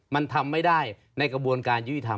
มันทำไม่ได้ในกระบวนการยุติธรรม